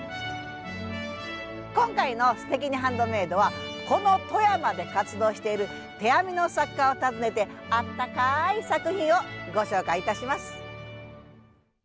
今回の「すてきにハンドメイド」はこの富山で活動している手編みの作家を訪ねてあったかい作品をご紹介いたします。